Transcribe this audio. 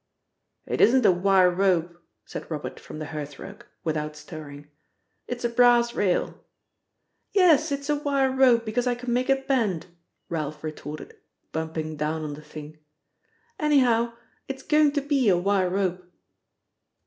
"It isn't a wire rope," said Robert from the hearth rug, without stirring. "It's a brass rail." "Yes, it is a wire rope, because I can make it bend," Ralph retorted, bumping down on the thing. "Anyhow, it's going to be a wire rope."